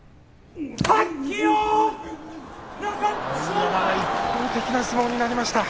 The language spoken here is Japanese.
碧山の一方的な相撲になりました。